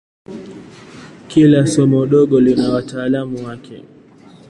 Kila somo dogo lina wataalamu wake.